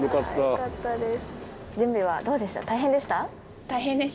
よかったです。